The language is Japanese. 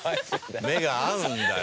目が合うんだよ。